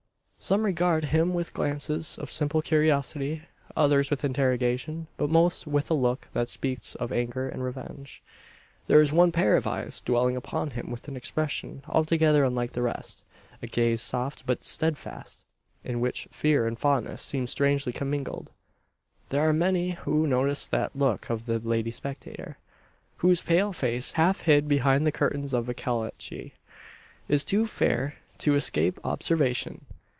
Some regard him with glances of simple curiosity; others with interrogation; but most with a look that speaks of anger and revenge. There is one pair of eyes dwelling upon him with an expression altogether unlike the rest a gaze soft, but steadfast in which fear and fondness seem strangely commingled. There are many who notice that look of the lady spectator, whose pale face, half hid behind the curtains of a caleche, is too fair to escape observation.